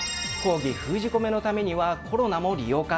抗議封じ込めのためにはコロナも利用か。